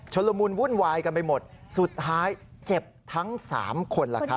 ละมุนวุ่นวายกันไปหมดสุดท้ายเจ็บทั้ง๓คนล่ะครับ